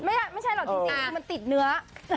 ไม่ใช่หรอกจริงคือมันติดเนื้อ